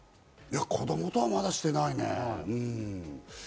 子供とはまだしてないね。